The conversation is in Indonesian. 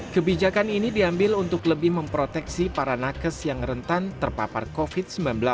kebijakan ini diambil untuk lebih memproteksi para nakes yang rentan terpapar covid sembilan belas